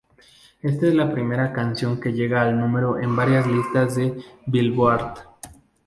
Esta es la primera canción que llega al número en varias listas del Billboard.